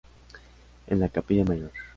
En la Capilla Mayor.